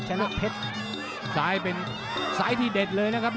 เจ้าประโยชน์นะครับ